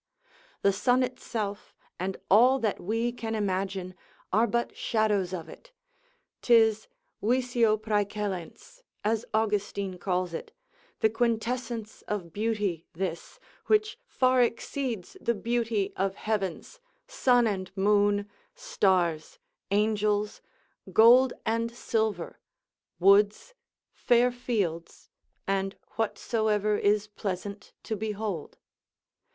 The sun itself and all that we can imagine, are but shadows of it, 'tis visio praecellens, as Austin calls it, the quintessence of beauty this, which far exceeds the beauty of heavens, sun and moon, stars, angels, gold and silver, woods, fair fields, and whatsoever is pleasant to behold.